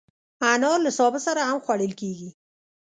انار له سابه سره هم خوړل کېږي.